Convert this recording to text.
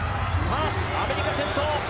アメリカ、先頭。